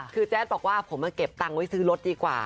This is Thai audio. คือแจ๊ดบอกว่าผมมาเก็บตังค์ไว้ซื้อรถดีกว่า